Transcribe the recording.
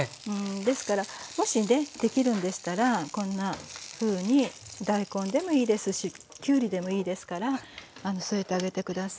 ですからもしねできるんでしたらこんなふうに大根でもいいですしきゅりでもいいですから添えてあげて下さい。